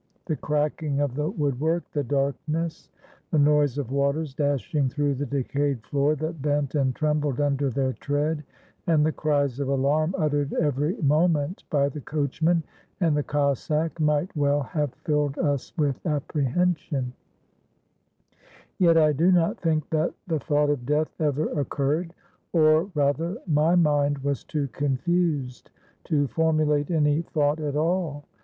The cracking of the woodwork, the darkness, the noise of waters dashing through the decayed floor that bent and trembled under their tread, and the cries of alarm uttered every moment by the coachman and the Cossack might well have filled us with apprehension; yet I do not think that the thought of death ever occurred, or, rather, my mind was too confused to formulate any thought at all.